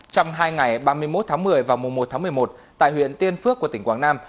trong hai ngày ba mươi một tháng một mươi và mùa một tháng một mươi một tại huyện tiên phước của tỉnh quảng nam